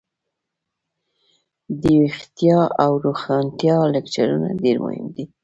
دویښتیا او روښانتیا لکچرونه ډیر مهم دي.